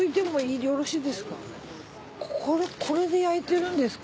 これで焼いてるんですか？